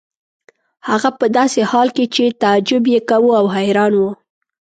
هغه په داسې حال کې چې تعجب یې کاوه او حیران و.